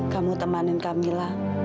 kamu temanin kamila